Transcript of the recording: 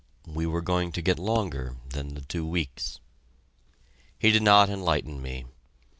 we were going to get longer than the two weeks. He did not enlighten me!